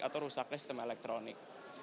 atau rusaknya sistem elektronik